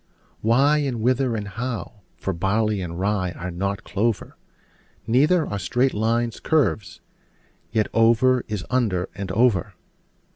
Why, and whither, and how? for barley and rye are not clover: Neither are straight lines curves: yet over is under and over.